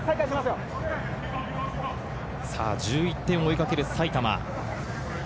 １１点を追いかける埼玉。